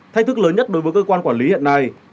thách thức lớn nhất đối với cơ quan quản lý hiện nay